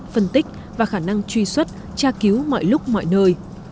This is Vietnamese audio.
phân tích và khả năng truy xuất tra cứu mọi lúc mọi nơi